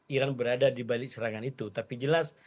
iran berada di balik serangan itu tapi jelas